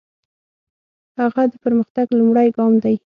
هڅه د پرمختګ لومړی ګام دی.